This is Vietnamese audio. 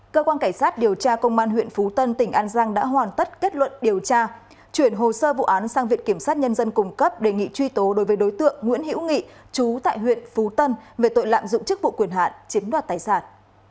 cơ quan cảnh sát điều tra công an huyện phú tân tỉnh an giang đã hoàn tất kết luận điều tra chuyển hồ sơ vụ án sang viện kiểm sát nhân dân cung cấp đề nghị truy tố đối với đối tượng nguyễn hữu nghị chú tại huyện phú tân về tội lạm dụng chức vụ quyền hạn chiếm đoạt tài sản